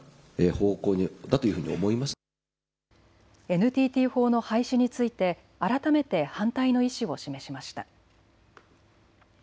ＮＴＴ法の廃止について改めて反対の意思を示しました。